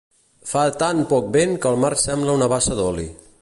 Fa tan poc vent que el mar sembla una bassa d'oli.